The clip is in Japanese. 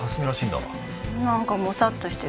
なんかモサッとしてる。